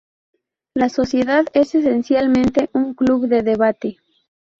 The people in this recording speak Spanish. La sociedad es esencialmente un club de debate.